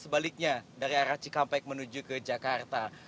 sebaliknya dari arah cikampek menuju ke jakarta